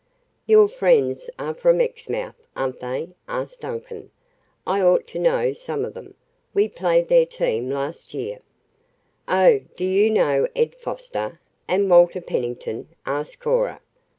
"Your friends are from Exmouth, aren't they?" asked Duncan. "I ought to know some of them; we played their team last year." "Oh, do you know Ed Foster? And Walter Pennington?" asked Cora.